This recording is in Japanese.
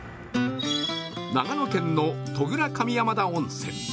長野県の戸倉上山田温泉。